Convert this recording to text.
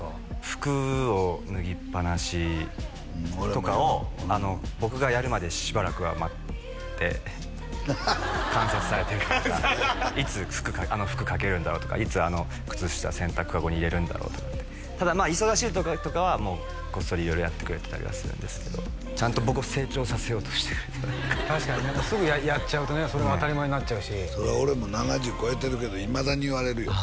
服を脱ぎっぱなしとかをあの僕がやるまでしばらくは待って観察されてるというかいつ服掛けるんだろうとかいつ靴下洗濯かごに入れるんだろうとかってただまあ忙しい時とかはもうこっそり色々やってくれてたりはするんですけどちゃんと僕を成長させようとしてくれる確かに何かすぐやっちゃうとねそれも当たり前になっちゃうしそれ俺も７０超えてるけどいまだに言われるよ